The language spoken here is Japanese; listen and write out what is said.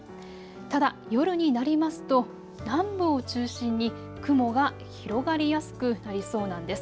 ただ、夜になりますと南部を中心に雲が広がりやすくなりそうなんです。